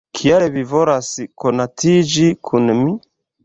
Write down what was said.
Kial li volas konatiĝi kun mi?